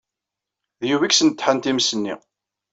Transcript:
D Yuba ay yesnedḥen times-nni.